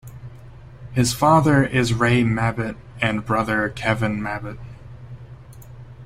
His father is Ray Mabbutt and brother Kevin Mabbutt.